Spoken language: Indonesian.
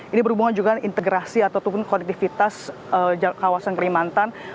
ini berhubungan juga dengan integrasi atau konektivitas kawasan kalimantan